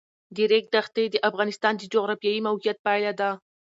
د ریګ دښتې د افغانستان د جغرافیایي موقیعت پایله ده.